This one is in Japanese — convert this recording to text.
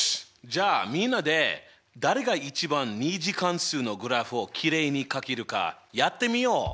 じゃあみんなで誰が一番２次関数のグラフをきれいにかけるかやってみよう！